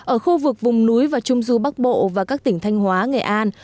ở khu vực vùng núi và trung du bắc bộ và các tỉnh thanh hóa nghệ an